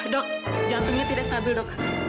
dok jantungnya tidak stabil dok